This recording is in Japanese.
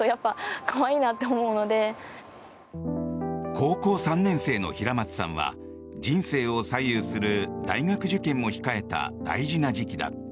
高校３年生の平松さんは人生を左右する大学受験も控えた大事な時期だ。